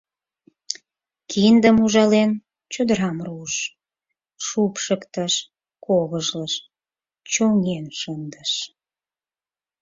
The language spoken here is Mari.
Киндым ужален, чодырам руыш, шупшыктыш, ковыжлыш, чоҥен шындыш.